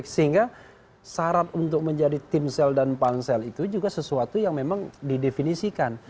sehingga syarat untuk menjadi timsel dan pansel itu juga sesuatu yang memang didefinisikan